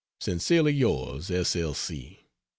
Sincerely yours S. L. C.